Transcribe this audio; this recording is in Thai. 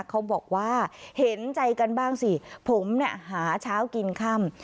เขาบอกว่าเห็นใจกันบ้างสิผมเนี่ยหาเช้ากินค่ำ